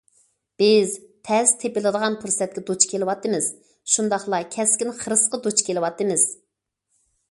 بىز تەس تېپىلىدىغان پۇرسەتكە دۇچ كېلىۋاتىمىز، شۇنداقلا كەسكىن خىرىسقا دۇچ كېلىۋاتىمىز.